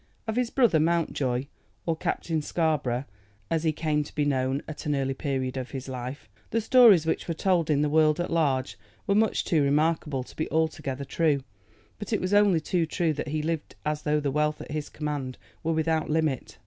Of his brother Mountjoy, or Captain Scarborough, as he came to be known at an early period of his life, the stories which were told in the world at large were much too remarkable to be altogether true. But it was only too true that he lived as though the wealth at his command were without limit.